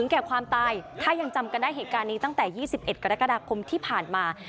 แก่ความตายถ้ายังจำกันได้เหตุการณ์นี้ตั้งแต่๒๑กรกฎาคมที่ผ่านมา